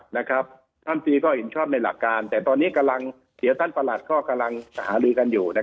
ตั้งสี่ชอบในหลักการแต่ตรงนี้แถวท่านประหลาดก็หารือกันอยู่